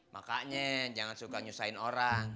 makanya jangan suka nyusahin orang